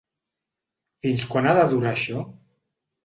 Fins quan ha de durar això?